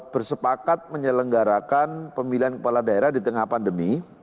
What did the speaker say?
bersepakat menyelenggarakan pemilihan kepala daerah di tengah pandemi